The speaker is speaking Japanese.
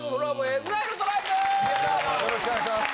よろしくお願いします。